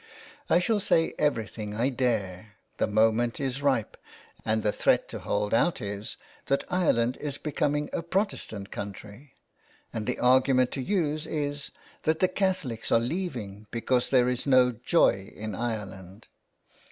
I shall say everything I dare, the moment is ripe; and the threat to hold out is, that Ireland is becom ing a Protestant country. And the argument to use is that the Catholics are leaving because there is no joy in Ireland."